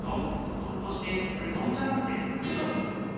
ひょっとしてうどんじゃなくてルドン？